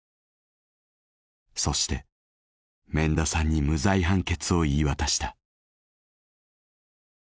そして免田さんに無罪判決を言い渡した。